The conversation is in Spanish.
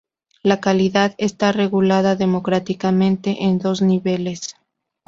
La calidad está regulada democráticamente en dos niveles.